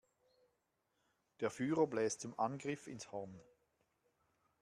Der Führer bläst zum Angriff ins Horn.